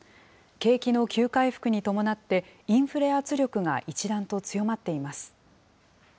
景気の急回復に伴ってインフレ圧力が一段と強まっています。